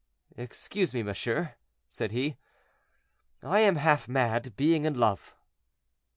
"Excuse me, monsieur," said he; "I am half mad, being in love."